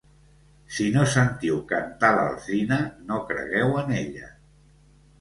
Si no sentiu cantar l'alzina, no cregueu en ella.